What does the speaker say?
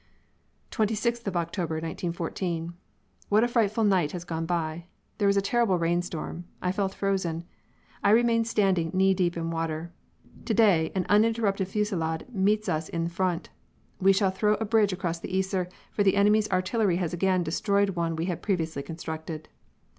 Twenty sixth of October, 1914: "What a frightful night has gone by! There was a terrible rainstorm. I felt frozen. I remained standing knee deep in water. To day an uninterrupted fusillade meets us in front. We shall throw a bridge across the Yser, for the enemy's artillery has again destroyed one we had previously constructed.